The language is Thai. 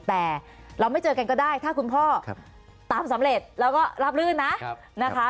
แต่เราไม่เจอกันก็ได้ถ้าคุณพ่อตามสำเร็จแล้วก็ราบลื่นนะนะคะ